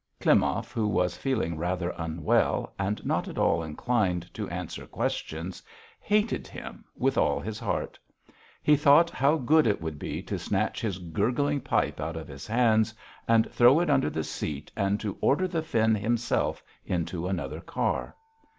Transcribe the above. Klimov, who was feeling rather unwell, and not at all inclined to answer questions, hated him with all his heart. He thought how good it would be to snatch his gurgling pipe out of his hands and throw it under the seat and to order the Finn himself into another car.